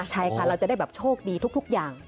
ใช่ค่ะเราจะได้แบบโชคดีทุกอย่าง